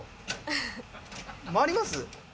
回ります？